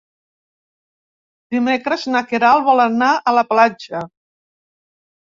Dimecres na Queralt vol anar a la platja.